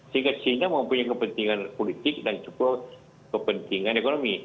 sehingga china mempunyai kepentingan politik dan juga kepentingan ekonomi